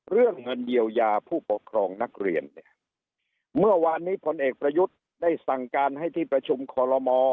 เรื่องเงินเยียวยาผู้ปกครองนักเรียนเนี่ยเมื่อวานนี้พลเอกประยุทธ์ได้สั่งการให้ที่ประชุมคอลโลมอ